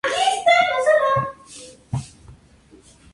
El mismo hablaba de su "desnudo teísmo".